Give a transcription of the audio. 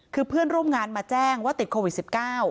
คือเพื่อนร่วมงานมาแจ้งว่าติดโควิด๑๙